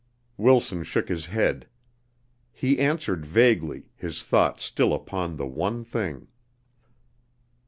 Wilson shook his head. He answered vaguely, his thoughts still upon the one thing.